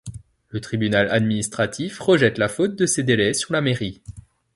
Le tribunal administratif rejette la faute de ces délais sur la Mairie.